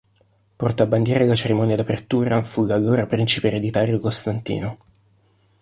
Portabandiera alla cerimonia di apertura fu l'allora principe ereditario Costantino.